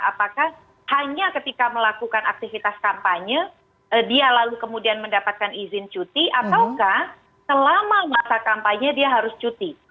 apakah hanya ketika melakukan aktivitas kampanye dia lalu kemudian mendapatkan izin cuti ataukah selama masa kampanye dia harus cuti